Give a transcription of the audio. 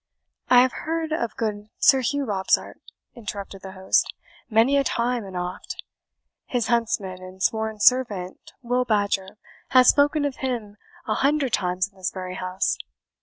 "I have heard of good Sir Hugh Robsart," interrupted the host, "many a time and oft; his huntsman and sworn servant, Will Badger, hath spoken of him an hundred times in this very house.